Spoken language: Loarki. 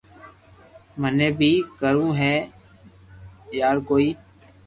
مني بي ڪروو ھي يار ڪوئي